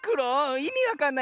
いみわかんない。